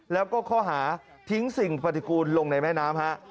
แล้วก็ข้อหาทิ้งสิ่งปฏิกูลลงในแม่น้ำฮะ